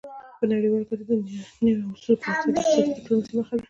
په نړیواله کچه د نوي اصولو پراختیا د اقتصادي ډیپلوماسي موخه ده